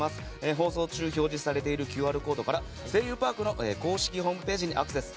放送中、表示されているＱＲコードから「声優パーク」の公式ホームページにアクセス。